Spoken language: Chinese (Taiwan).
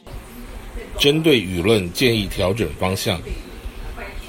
針對輿論建議調整方向